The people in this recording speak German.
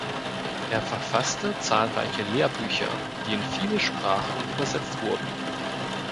Er verfasste zahlreiche Lehrbücher, die in viele Sprachen übersetzt wurden.